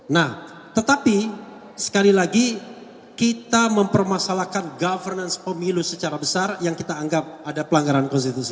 nah tetapi sekali lagi kita mempermasalahkan governance pemilu secara besar yang kita anggap ada pelanggaran konstitusi